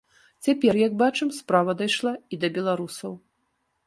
Цяпер, як бачым, справа дайшла і да беларусаў.